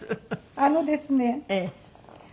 あのですね